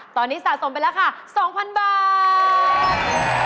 ตอนนี้สะสมไปแล้วค่ะ๒๐๐๐บาท